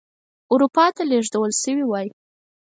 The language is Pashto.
اروپا ته لېږدول شوي وای.